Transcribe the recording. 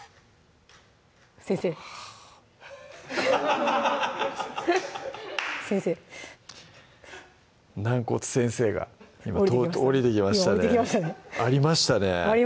先生先生軟骨先生が今降りてきましたねありましたね